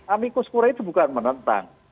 amicus kurai itu bukan menentang